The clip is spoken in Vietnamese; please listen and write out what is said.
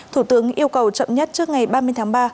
thủ tướng yêu cầu chậm nhất trước ngày ba mươi tháng ba